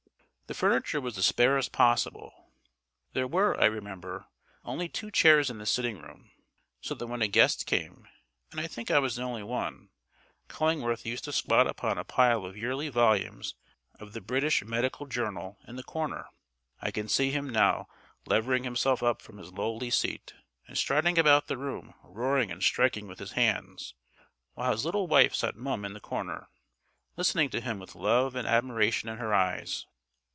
The furniture was the sparest possible. There were, I remember, only two chairs in the sitting room; so that when a guest came (and I think I was the only one) Cullingworth used to squat upon a pile of yearly volumes of the British Medical Journal in the corner. I can see him now levering himself up from his lowly seat, and striding about the room roaring and striking with his hands, while his little wife sat mum in the corner, listening to him with love and admiration in her eyes.